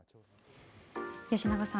吉永さん